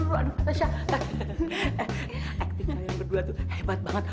aktif saya berdua tuh hebat banget